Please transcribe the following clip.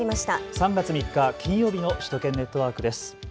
３月３日、金曜日の首都圏ネットワークです。